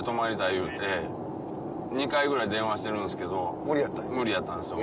言うて２回ぐらい電話してるんですけど無理やったんですよ。